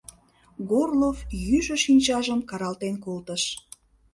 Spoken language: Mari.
Горлов йӱшӧ шинчажым каралтен колтыш.